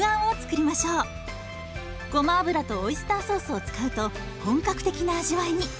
ごま油とオイスターソースを使うと本格的な味わいに！